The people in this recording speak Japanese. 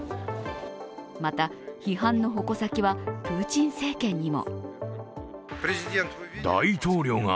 また、批判の矛先はプーチン政権にも。